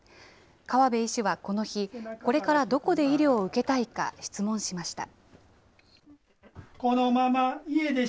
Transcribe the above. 川邉医師はこの日、これからどこで医療を受けたいか質問しました。